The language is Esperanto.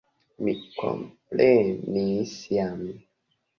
Mi komprenis jam.